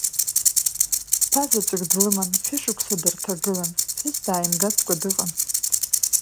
Ԥа-заҵәык длыман, шәышықәса дырҭагылан, ԥҳәыс дааимгацкәа дыҟан.